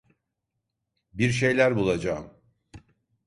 Bir şeyler bulacağım.